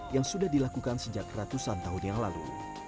yang sudah dilakukan sejak ratusan tahun yang lalu